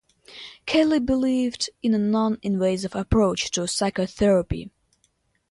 Kelly believed in a non-invasive approach to psychotherapy.